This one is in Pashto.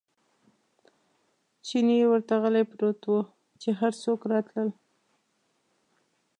چیني ورته غلی پروت و، چې هر څوک راتلل.